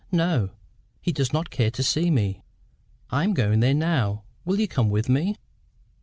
"No. He does not care to see me." "I am going there now: will you come with me?"